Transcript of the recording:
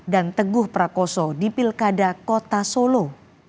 dan teguh prakoso di pilkada kota solo